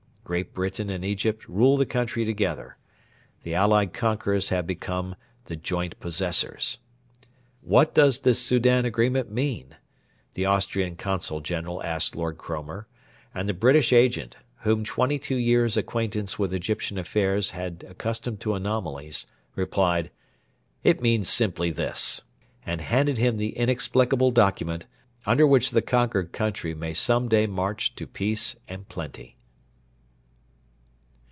Great Britain and Egypt rule the country together. The allied conquerors have become the joint possessors. 'What does this Soudan Agreement mean?' the Austrian Consul General asked Lord Cromer; and the British Agent, whom twenty two years' acquaintance with Egyptian affairs bad accustomed to anomalies, replied, 'It means simply this'; and handed him the inexplicable document, under which the conquered country may some day march to Peace and Plenty.